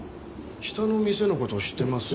下の店の事知ってます？